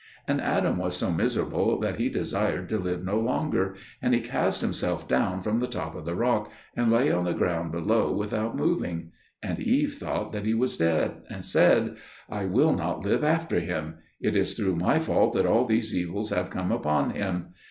And Adam was so miserable that he desired to live no longer; and he cast himself down from the top of the rock, and lay on the ground below without moving; and Eve thought that he was dead, and said, "I will not live after him; it is through my fault that all these evils have come upon him."